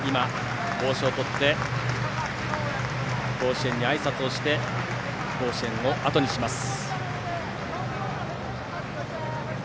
帽子をとって甲子園にあいさつをして甲子園をあとにします。